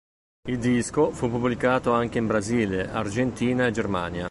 Il disco fu pubblicato anche in Brasile, Argentina e Germania.